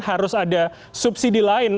harus ada subsidi lain